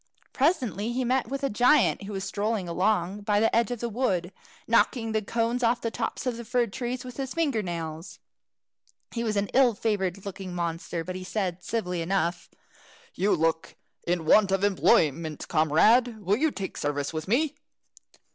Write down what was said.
Presently he met with a giant, who was strolling along by the edge of the wood, knocking the cones off the tops of the fir trees with his finger nails. He was an ill favoured looking monster, but he said, civilly enough, "You look in want of employment, comrade. Will you take service with me?"